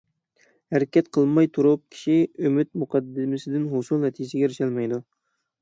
ھەرىكەت قىلماي تۇرۇپ كىشى ئۈمىد مۇقەددىمىسىدىن ھوسۇل نەتىجىسىگە ئېرىشەلمەيدۇ.